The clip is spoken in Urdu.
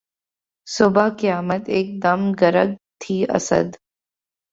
صبح قیامت ایک دم گرگ تھی اسدؔ